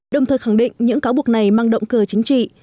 đồng thời khẳng định những cáo buộc này mang động cờ chính trị